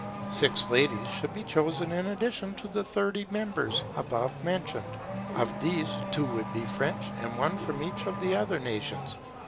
Six ladies should be chosen in addition to the thirty members above mentioned: of these, two would be French, and one from each of the other nations.